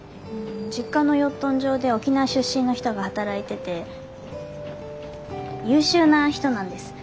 実家の養豚場で沖縄出身の人が働いてて優秀な人なんです。